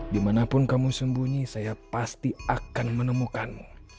dimanapun kamu sembunyi saya pasti akan menemukanmu